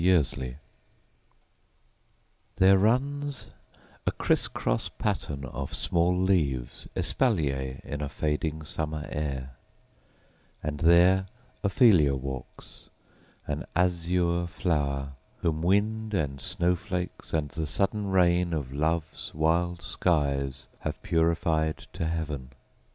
OPHELIA There runs a crisscross pattern of small leaves Espalier, in a fading summer air, And there Ophelia walks, an azure flower, Whom wind, and snowflakes, and the sudden rain Of love's wild skies have purified to heaven.